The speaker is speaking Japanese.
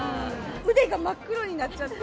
腕が真っ黒になっちゃって。